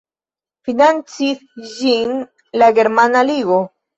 Financis ĝin la Germana Ligo.